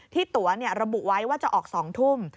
ตัวระบุไว้ว่าจะออก๒ทุ่ม